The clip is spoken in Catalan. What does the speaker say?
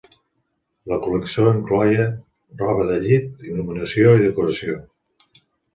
La col·lecció incloïa roba de llit, il·luminació i decoració.